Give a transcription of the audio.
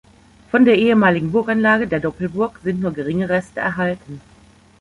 Von der ehemaligen Burganlage der Doppelburg sind nur geringe Reste erhalten.